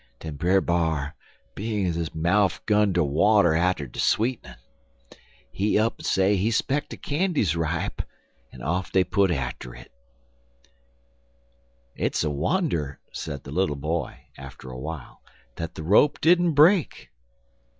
"Den Brer B'ar, bein's his mouf 'gun ter water atter de sweetnin,' he up'n say he speck de candy's ripe, en off dey put atter it!" "It's a wonder," said the little boy, after a while, "that the rope didn't break."